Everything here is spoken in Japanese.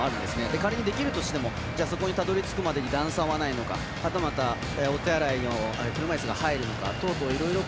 仮にできるとしてもそこにたどり着くために段差はないのか、はたまたお手洗い、車いすが入るのか等々